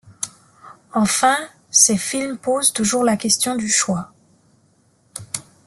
Enfin, ses films posent toujours la question du choix.